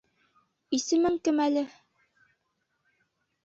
Исемең кем әле?